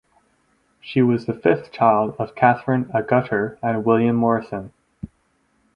She was the fifth child of Catherine Agutter and William Morison.